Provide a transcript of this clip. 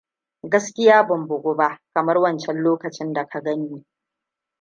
Gaskiya ban bugu ba kamar wancan lokacin da ka ganni.